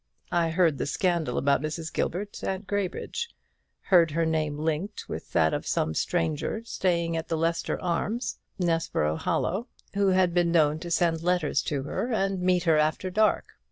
I heard the scandal about Mrs. Gilbert at Graybridge, heard her name linked with that of some stranger staying at the Leicester Arms, Nessborough Hollow, who had been known to send letters to her and to meet her after dark.